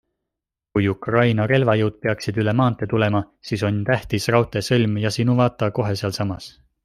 Kui Ukraina relvajõud peaksid üle maantee tulema, siis on tähtis raudteesõlm Jasinuvata kohe sealsamas.